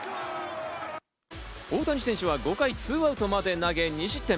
大谷選手は５回２アウトまで投げ、２失点。